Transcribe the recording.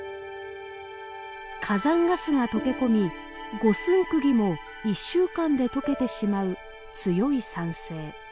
火山ガスが溶け込み五寸くぎも１週間で溶けてしまう強い酸性。